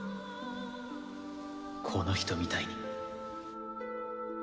この人みたいに。